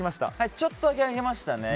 ちょっとだけ上げました。